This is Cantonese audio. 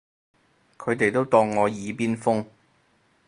佢哋都當我耳邊風